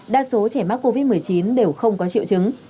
đa số trẻ mắc covid một mươi chín đều không có triệu chứng